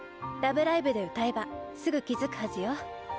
「ラブライブ！」で歌えばすぐ気付くはずよ。